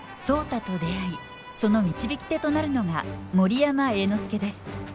壮多と出会いその導き手となるのが森山栄之助です。